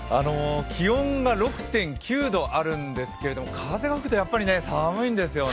気温が６．９度あるんですけれども、風が吹くとやっぱり寒いんですよね。